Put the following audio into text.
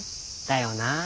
だよなあ。